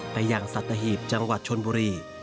ไปยังสัตหีบจังหวัดชนบุรี